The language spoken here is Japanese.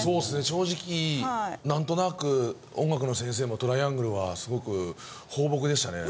正直なんとなく音楽の先生もトライアングルはすごく放牧でしたね。